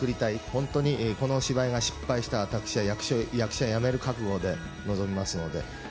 本当にこの芝居が失敗したら、私は役者辞める覚悟で臨みますので。